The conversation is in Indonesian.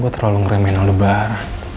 gue terlalu ngeremehin al dubar